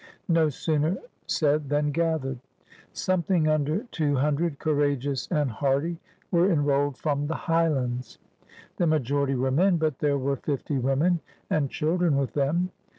No sooner said than gathered. Something under two himdred, courageous and hardy, were enrolled from the Highlands. The majority were men, but there were fifty women and children with them.